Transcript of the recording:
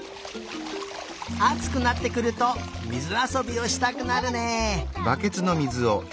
あつくなってくるとみずあそびをしたくなるね。